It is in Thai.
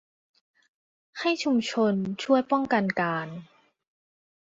ให้ชุมชนช่วยป้องกันการ